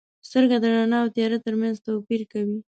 • سترګې د رڼا او تیاره ترمنځ توپیر کوي.